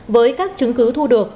với các chứng cứ thu được